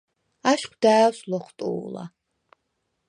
აშხვ და̄̈ვს ლოხვტუ̄ლა: